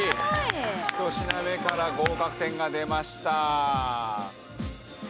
１品目から合格点が出ました。